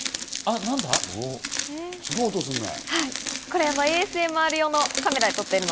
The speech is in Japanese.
すごい音がするね。